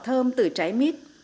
thơm từ trái mít